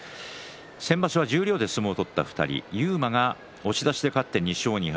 先場所十両で相撲を取った２人勇磨が押し出しで勝って２勝２敗。